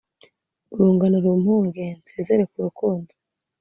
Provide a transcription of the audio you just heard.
urungano rumpunge nsezere ku rukundo